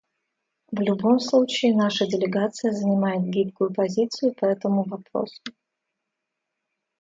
В любом случае, наша делегация занимает гибкую позицию по этому вопросу.